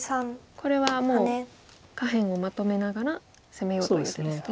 これはもう下辺をまとめながら攻めようという手ですね。